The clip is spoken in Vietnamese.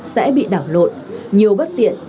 sẽ bị đảo lộn nhiều bất tiện